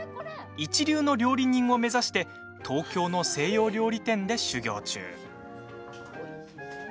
一流の料理人を目指して東京の西洋料理店で修業中。